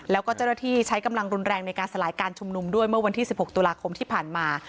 แล้วก็เจ้าหน้าที่ใช้กำลังรุนแรงในการสลายการชุมนุมด้วยเมื่อวันที่๑๖ตุลาคมที่ผ่านมา